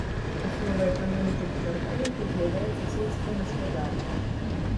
Асновай эканомікі дэпартамента з'яўляецца сельская гаспадарка.